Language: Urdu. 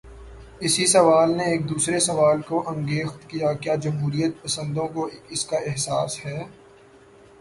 اسی سوال نے ایک دوسرے سوال کو انگیخت کیا: کیا جمہوریت پسندوں کو اس کا احساس ہے؟